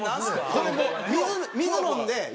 これね水飲んで。